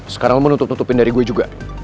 sekarang lo menutup tutupin dari gue juga